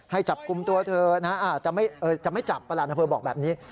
จับกลุ่มตัวเธอนะฮะจะไม่จับประหลัดอำเภอบอกแบบนี้